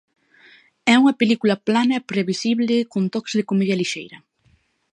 É unha película plana e previsible con toques de comedia lixeira.